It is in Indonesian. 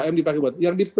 dua m dipakai buat